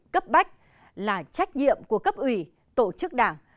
cấp bách là trách nhiệm của cấp ủy tổ chức đảng